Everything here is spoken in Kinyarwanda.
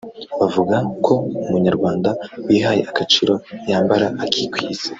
bavuga ko umunyarwanda wihaye agaciro yambara akikwiza”